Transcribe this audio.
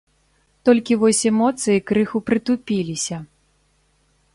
Толькі вось эмоцыі крыху прытупіліся.